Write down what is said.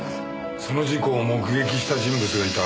その事故を目撃した人物がいた。